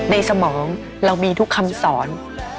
สมองเรามีทุกคำสอน